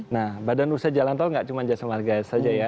nah badan usaha jalan tol nggak cuma jasa marga saja ya